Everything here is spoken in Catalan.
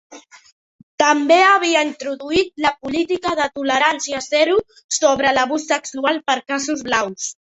També havia introduït la política de tolerància zero sobre l'abús sexual per cascos blaus.